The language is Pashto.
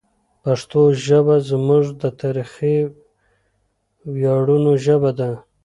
پښتو ژبه زموږ د تاریخي ویاړونو ژبه ده.